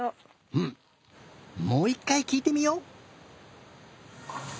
ふむもう１かいきいてみよう！